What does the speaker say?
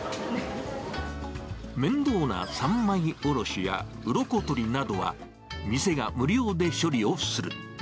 面倒な三枚おろしやうろこ取りなどは、店が無料で処理をする。